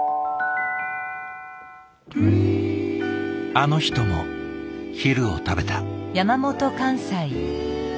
あの人も昼を食べた。